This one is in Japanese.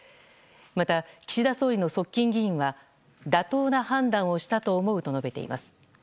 また、岸田総理の側近議員は妥当な判断をしたと思うと述べています。